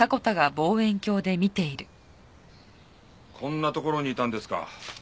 こんな所にいたんですか？